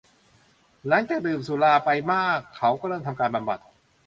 หลังจากดื่มสุราไปมากเขาก็เริ่มทำการบำบัด